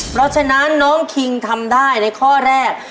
เพราะฉะนั้นน้องคิงทำได้ในข้อแรก